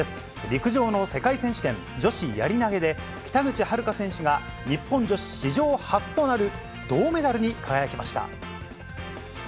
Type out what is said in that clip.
陸上の世界選手権女子やり投げで、北口榛花選手が、日本女子史上初となる銅メダルに輝きました。